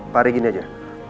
pak ari begini saja